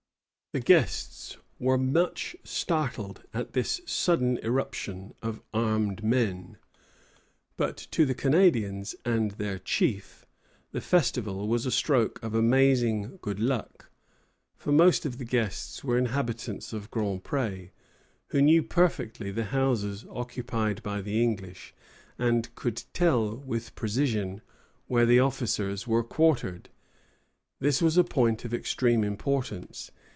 The guests were much startled at this sudden irruption of armed men; but to the Canadians and their chief the festival was a stroke of amazing good luck, for most of the guests were inhabitants of Grand Pré, who knew perfectly the houses occupied by the English, and could tell with precision where the officers were quartered. This was a point of extreme importance.